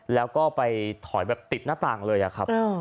แล้วก็ไปถอยแบบติดหน้าต่างเลยอะครับ